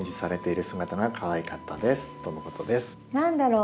何だろう？